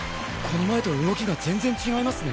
この前と動きが全然違いますね。